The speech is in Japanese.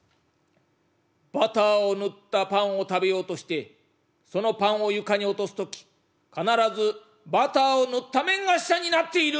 「バターを塗ったパンを食べようとしてそのパンを床に落とす時必ずバターを塗った面が下になっている」。